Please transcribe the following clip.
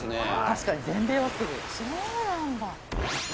確かに全米はすごいそうなんだ